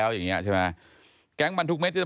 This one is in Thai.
วิวานาที